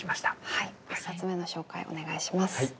はい１冊目の紹介お願いします。